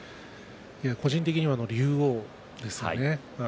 個人的には龍王ですね。